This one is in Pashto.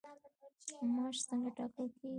معاش څنګه ټاکل کیږي؟